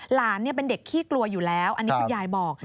หลานเป็นเด็กขี้กลัวอยู่แล้วอันนี้คุณยายบอก